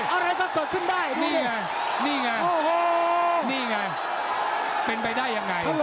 โอ้โหโอ้โหโอ้โหโอ้โหโอ้โหโอ้โห